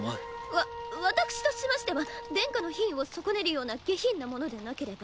わ私としましては殿下の品位を損ねるような下品なものでなければ。